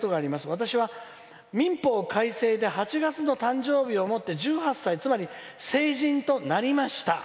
私は民法改正で誕生日をもって１８歳つまり成人となりました」。